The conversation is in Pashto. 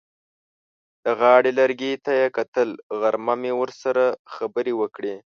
د غاړې لرګي ته یې کتل: غرمه مې ورسره خبرې وکړې.